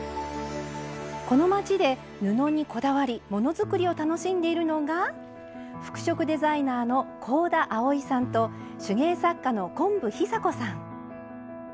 この街で布にこだわり物作りを楽しんでいるのが服飾デザイナーの香田あおいさんと手芸作家の昆布尚子さん。